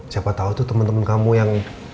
siapa tau tuh temen temen kamu yang